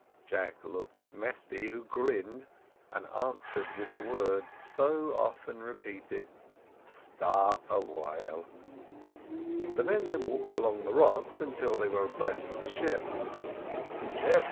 Jack looked at Mesty, who grinned, and answered with the words so often repeated: "Stop a little." The men then walked along the rocks until they were abreast of the ship.